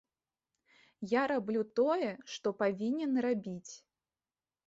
Я раблю тое, што павінен рабіць.